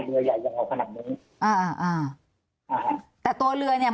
เรือใหญ่อย่างเราขนาดนี้อ่าอ่าอ่าแต่ตัวเรือเนี้ย